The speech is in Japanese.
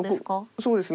そうですね。